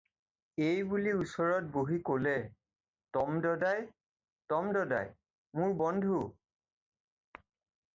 "এই বুলি ওচৰত বহি ক'লে- "টম দদাই, টম দদাই, মোৰ বন্ধু।"